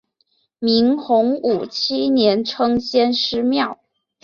明洪武七年称先师庙。